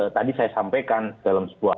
tadi saya sampaikan dalam sebuah